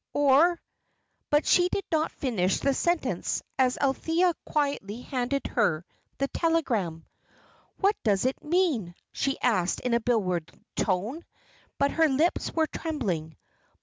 or " But she did not finish the sentence, as Althea quietly handed her the telegram. "What does it mean?" she asked in a bewildered tone; but her lips were trembling.